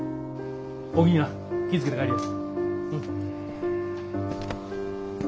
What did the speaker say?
おおきにな気ぃ付けて帰りや。